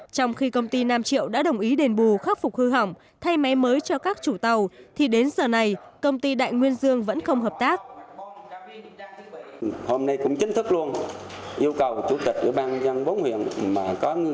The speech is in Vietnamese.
trong khi công ty nam triệu đã đồng ý đền bù khắc phục hư hỏng thay máy mới cho các chủ tàu thì đến giờ này công ty đại nguyên dương vẫn không hợp tác